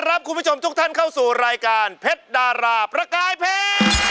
มาพเป็นช่องทุกท่านเข้าสู่รายการเพชรดาราประกายเพศ